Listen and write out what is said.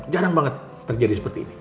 jarang banget terjadi seperti ini